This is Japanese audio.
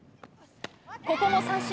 ここも三振。